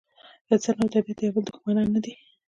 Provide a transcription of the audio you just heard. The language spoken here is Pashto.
انسان او طبیعت د یو بل دښمنان نه دي.